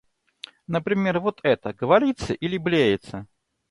Например, вот это — говорится или блеется?